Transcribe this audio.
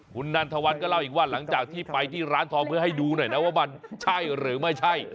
คุณนันทวันก็เล่าอีกว่าหลังจากที่ไปที่ร้านทองเพื่อให้ดูหน่อยนะว่ามันใช่หรือไม่ใช่